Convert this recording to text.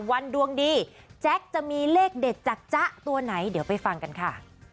วันดวงดีแจ๊กจะมีเลขเด็ดจากจ๊ะตัวไหนเดี๋ยวไปฟังกันค่ะ